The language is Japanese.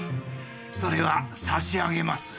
それは差し上げます。